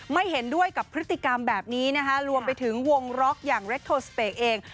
ไม่เห็นด้วยกับพฤติกรรมแบบนี้นะฮะรวมไปถึงวงร็อกอย่างเอง